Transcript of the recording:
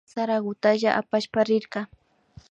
Sarakutalla apashpa rinki